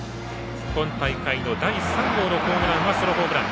今大会の第３号のホームランはソロホームラン。